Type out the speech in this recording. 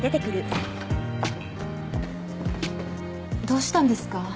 どうしたんですか？